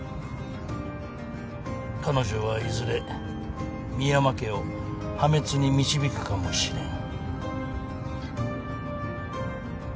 彼女はいずれ深山家を破滅に導くかもしれん。